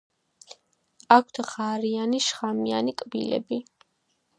აქვთ ღარიანი შხამიანი კბილები.